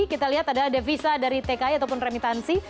kita lihat adalah devisa dari tki ataupun remitansi